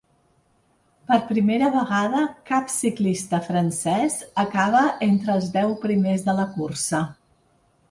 Per primera vegada, cap ciclista francès acaba entre els deu primers de la cursa.